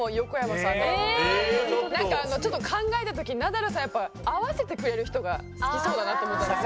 なんかちょっと考えた時にナダルさんやっぱ合わせてくれる人が好きそうだなと思ったんですよ。